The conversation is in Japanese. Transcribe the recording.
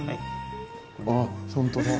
あっ本当だ。